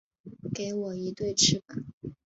给我一对翅膀